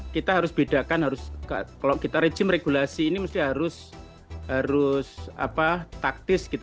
kita harus bedakan kalau kita regime regulasi ini harus taktis gitu ya